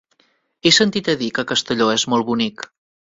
He sentit a dir que Castelló és molt bonic.